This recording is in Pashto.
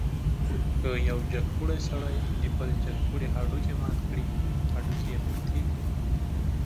که یو جګپوړی سړی د بل جګپوړي هډوکی مات کړي، هډوکی یې ماتېږي.